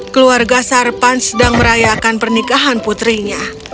keluarga sarpan sedang merayakan pernikahan putrinya